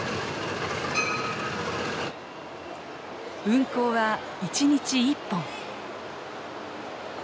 運行は１日１本。